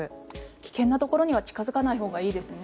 危険なところには近付かないほうがいいですね。